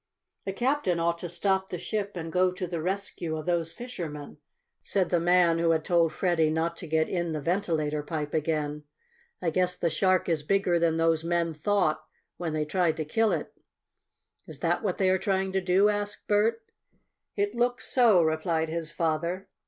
"The captain ought to stop the ship and go to the rescue of those fishermen," said the man who had told Freddie not to get in the ventilator pipe again. "I guess the shark is bigger than those men thought when they tried to kill it." "Is that what they are trying to do?" asked Bert. "It looks so," replied his father.